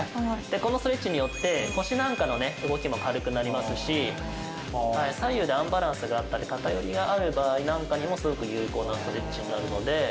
このスイッチによって腰なんかのね動きも軽くなりますし左右でアンバランスであったり偏りがある場合なんかにもすごく有効なストレッチになるので。